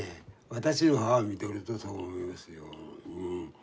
私の母を見てるとそう思いますよ。